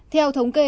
theo thống kê